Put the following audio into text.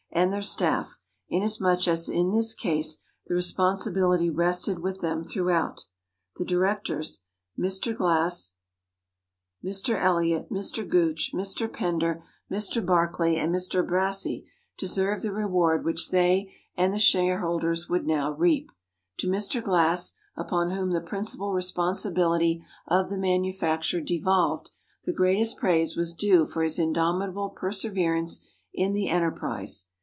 and their staff, inasmuch as in this case the responsibility rested with them throughout. The directors including Mr. Glass, Mr Elliot, Mr. Gooch, Mr. Pender, Mr. Barclay, and Mr. Brassey deserved the reward which they and the shareholders would no doubt reap. To Mr. Glass, upon whom the principal responsibility of the manufacture devolved, the greatest praise was due for his indomitable perseverance in the enterprise.